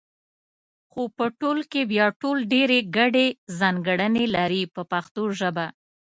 خو په ټول کې بیا ټول ډېرې ګډې ځانګړنې لري په پښتو ژبه.